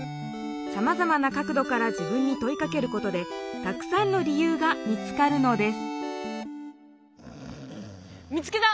さまざまな角どから自分にといかけることでたくさんの理由が見つかるのです見つけた！